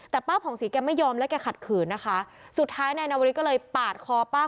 แต่ป้าผ่องศรีแกไม่ยอมและแกขัดขืนนะคะสุดท้ายนายนาวริสก็เลยปาดคอป้า